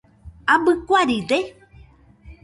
¿Abɨ kuaride.?